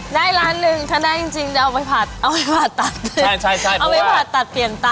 ได้ล้านหนึ่งถ้าได้จริงจริงจะเอาไปผัดเอาไปผัดตัดใช่ใช่ใช่เพราะว่าเอาไปผัดตัดเปลี่ยนไต